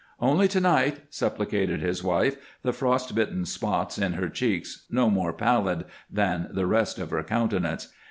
"Only to night," supplicated his wife, the frost bitten spots in her cheeks no more pallid than the rest of her countenance.